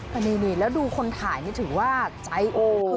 พระมิวนี้แล้วดูคนถ่ายนี่ถึงว่าใจพัก